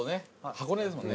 箱根ですもんね。